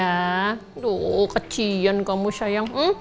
aduh kecian kamu sayang